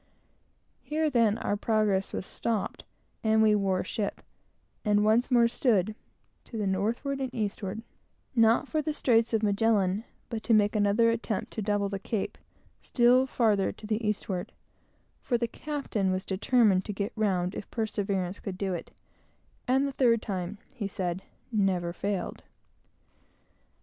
Here then our progress was stopped, and we wore ship, and once more stood to the northward and eastward; not for the straits of Magellan, but to make another attempt to double the Cape, still farther to the eastward; for the captain was determined to get round if perseverance could do it; and the third time, he said, never failed.